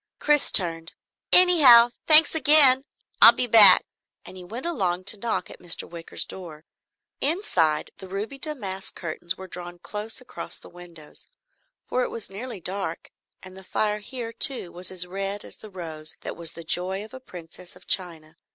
Chris turned. "Anyhow, thanks again. I'll be back," and he went along to knock at Mr. Wicker's door. Inside, the ruby damask curtains were drawn close across the windows, for it was nearly dark, and the fire here too was as red as the rose that was the joy of a princess of China.